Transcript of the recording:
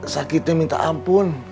sakitnya minta ampun